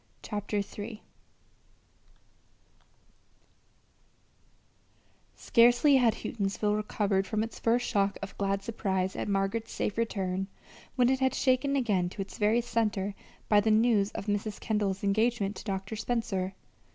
CHAPTER III Scarcely had Houghtonsville recovered from its first shock of glad surprise at Margaret's safe return, when it was shaken again to its very center by the news of Mrs. Kendall's engagement to Dr. Spencer.